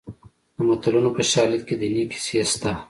د متلونو په شالید کې دیني کیسې شته